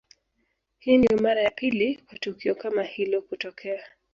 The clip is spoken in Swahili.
Hii ndio mara ya pili kwa tukio kama hilo kutokea